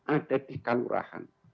ada di kalurahan